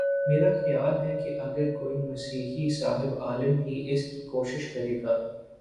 میرا خیال ہے کہ اگر کوئی مسیحی صاحب علم بھی اس کی کوشش کرے گا۔